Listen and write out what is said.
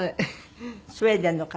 スウェーデンの方？